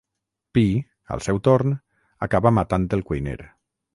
Pi, al seu torn, acaba matant el cuiner.